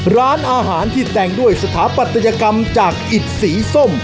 ร้านอาหารที่แต่งด้วยสถาปัตยกรรมจากอิดสีส้ม